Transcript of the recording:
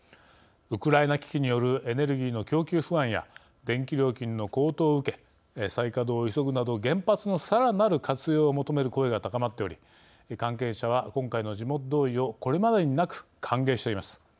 ウクライナ危機によるエネルギーの供給不安や電気料金の高騰を受け再稼働を急ぐなど原発のさらなる活用を求める声が高まっており関係者は今回の地元同意をこれまでになく歓迎しています。